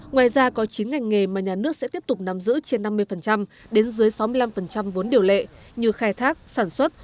ngoài ra có chín ngành nghề mà nhà nước sẽ tiếp tục nắm giữ trên năm mươi đến dưới sáu mươi năm vốn điều lệ như khai thác sản xuất